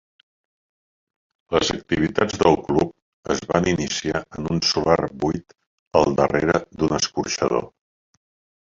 Les activitats del club es van iniciar en un solar buit al darrere d'un escorxador.